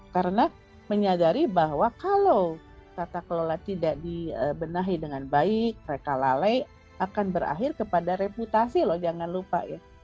karena menyadari bahwa kalau tata kelola tidak dibenahi dengan baik mereka lalai akan berakhir kepada reputasi loh jangan lupa ya